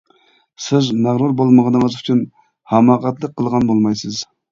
سىز مەغرۇر بولمىغىنىڭىز ئۈچۈن ھاماقەتلىك قىلغان بولمايسىز.